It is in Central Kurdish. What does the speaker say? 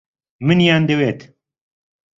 منیان دەوێت.